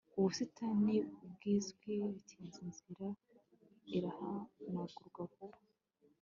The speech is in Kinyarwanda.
Ubusitani buzwi bitinze inzira irahanagurwa vuba